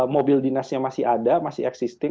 mobil dinasnya masih ada masih existing